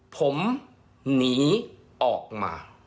ผมหนีออกมา